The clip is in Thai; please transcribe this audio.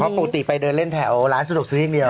เพราะปกติไปเดินเล่นแถวร้านสะดวกซื้ออย่างเดียว